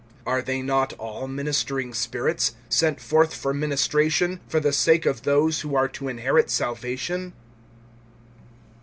(14)Are they not all ministering spirits, sent forth for ministration, for the sake of those who are to inherit salvation?